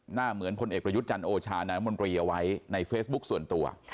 เหมือนพลเอกประยุทธ์จันทร์โอชานายมนตรีเอาไว้ในเฟซบุ๊คส่วนตัว